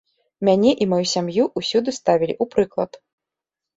Мяне і маю сям'ю ўсюды ставілі ў прыклад.